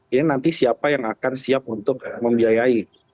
ini nanti siapa yang akan siap untuk membiayai